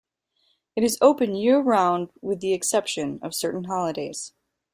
It is open year-round with the exception of certain holidays.